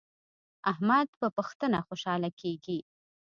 احمد په پښتنه خوشحاله کیږي.